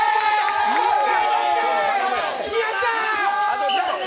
よっしゃ！